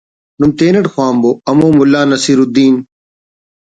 نم تینٹ خوانبو ہمو ملا نصرالدین